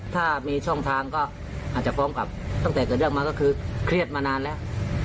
ถ้ามีช่องทางก็อาจจะพร้อมกับตั้งแต่เกิดเรื่องมาก็คือเครียดมานานแล้ว